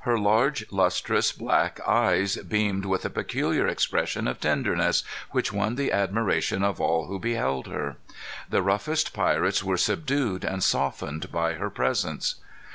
Her large, lustrous black eyes beamed with a peculiar expression of tenderness, which won the admiration of all who beheld her. The roughest pirates were subdued and softened by her presence.